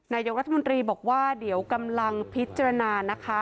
นายกรัฐมนตรีบอกว่าเดี๋ยวกำลังพิจารณานะคะ